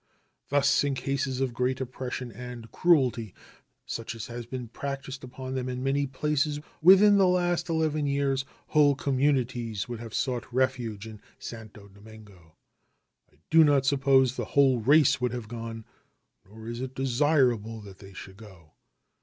Thus in cases of great oppression and cruelty, such as has been practiced upon them in many places within the last eleven years, whole communities would have sought refuge in Santo Domingo. I do not suppose the whole race would have gone, nor is it desirable that they should go.